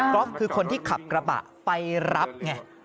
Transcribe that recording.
อล์ฟคือคนที่ขับกระบะไปรับไง